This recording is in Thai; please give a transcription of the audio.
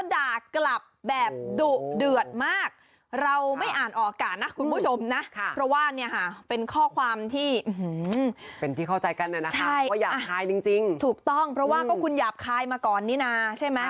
ถูกต้องเพราะว่าก็คุณหยาบคลายมาก่อนนี่นะใช่ไหม